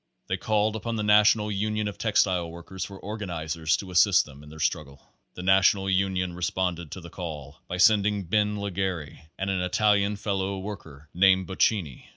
They called upon the National Union of Textile Workers for organizers to assist them in their struggle. The National Union responded to the call by sending Ben Legere and an Italian Fellow Worker named Boc cinni.